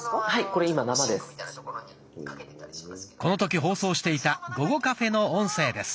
この時放送していた「ごごカフェ」の音声です。